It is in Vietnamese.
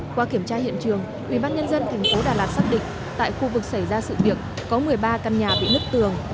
qua kiểm tra hiện trường ubnd tp đà lạt xác định tại khu vực xảy ra sự việc có một mươi ba căn nhà bị nứt tường